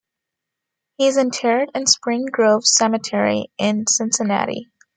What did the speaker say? He is interred in Spring Grove Cemetery in Cincinnati.